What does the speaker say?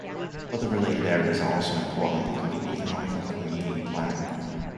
Other related areas are also important, including economic and community planning.